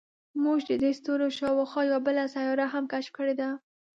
موږ د دې ستوري شاوخوا یوه بله سیاره هم کشف کړې ده.